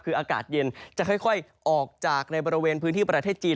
คืออากาศเย็นจะค่อยออกจากในบริเวณพื้นที่ประเทศจีน